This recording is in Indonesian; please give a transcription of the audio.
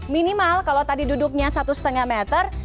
minimal kalau tadi duduknya satu lima meter